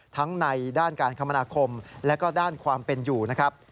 ในด้านการคมนาคมและก็ด้านความเป็นอยู่นะครับ